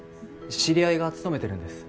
知り合いが勤めてるんです。